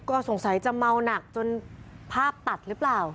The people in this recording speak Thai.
ก็สงสัยจะเมาหนักจนภาพตัดหรือเปล่า